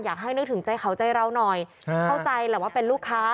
อยากให้นึกถึงใจเขาใจเราหน่อยเข้าใจแหละว่าเป็นลูกค้า